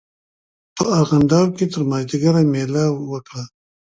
په ارغنداو کې تر مازیګره مېله وکړه.